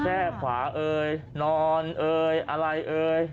แค่ขวาเอ่ยนอนเอ่ยอะไรเอ่ย